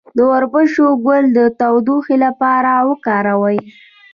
د وربشو ګل د تودوخې لپاره وکاروئ